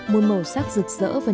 một màu sắc rực rỡ và nhẹ